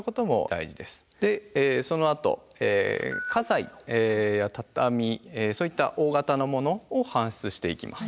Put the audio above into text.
でそのあと家財や畳そういった大型のものを搬出していきます。